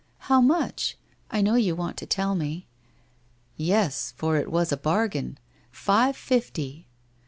How much ? I know you want to tell me.' ' Yes, for it was a bargain. Five fifty.'